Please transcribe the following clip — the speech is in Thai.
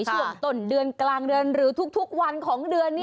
ช่วงต้นเดือนกลางเดือนหรือทุกวันของเดือน